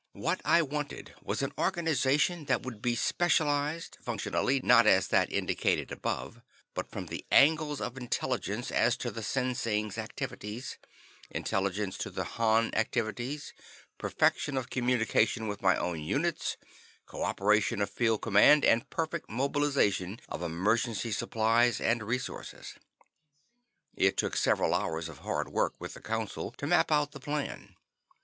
What I wanted was an organization that would be specialized, functionally, not as that indicated above, but from the angles of: intelligence as to the Sinsings' activities; intelligence as to Han activities; perfection of communication with my own units; co operation of field command; and perfect mobilization of emergency supplies and resources. It took several hours of hard work with the Council to map out the plan.